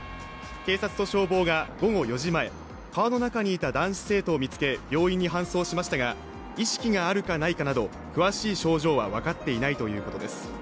警察と消防が午後４時前、川の中にいた男性を見つけ、病院に搬送しましたが、意識があるか、ないかなど、詳しい症状は分かっていないということです。